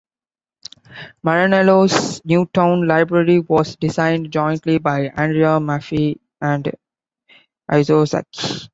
Maranello's new town library was designed jointly by Andrea Maffei and Isozaki.